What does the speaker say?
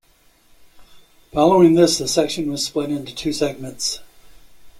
Following this, the section was split into two segments.